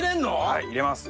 はい入れます。